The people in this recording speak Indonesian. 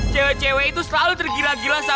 cewek cewek itu selalu tergila gila gitu ya